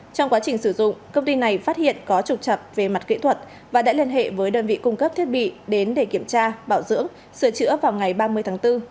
trong quá trình sử dụng công ty này phát hiện có trục chập về mặt kỹ thuật và đã liên hệ với đơn vị cung cấp thiết bị đến để kiểm tra bảo dưỡng sửa chữa vào ngày ba mươi tháng bốn